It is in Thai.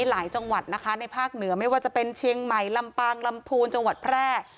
หลายจังหวัดนะคะในภาคเหนือไม่ว่าจะเป็นเชียงใหม่ลำปางลำพูนจังหวัดแพร่